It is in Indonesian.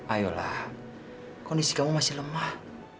ayolah kondisi kamu masih lemah